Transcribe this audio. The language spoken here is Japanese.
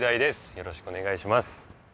よろしくお願いします。